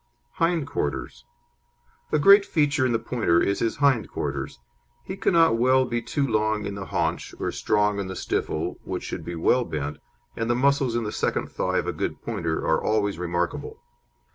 HIND QUARTERS A great feature in the Pointer is his hind quarters. He cannot well be too long in the haunch or strong in the stifle, which should be well bent, and the muscles in the second thigh of a good Pointer are always remarkable.